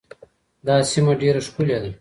دا سیمه ډېره ښکلې ده.